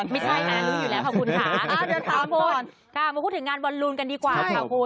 มาพูดถึงงานบอนรุ้นกันดีครับ